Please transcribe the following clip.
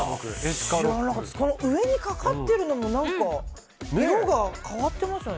上にかかってるのも色が変わってますよね。